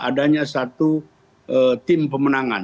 adanya satu tim pemenangan